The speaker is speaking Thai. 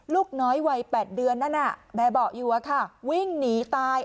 ลูกน้อยวัยแปดเดือนนั่นน่ะแบบอกอยู่อะค่ะวิ่งหนีตาย